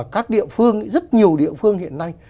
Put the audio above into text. các địa phương rất nhiều địa phương hiện nay